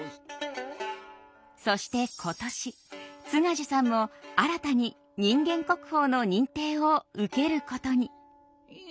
そして今年津賀寿さんも新たに人間国宝の認定を受けることに。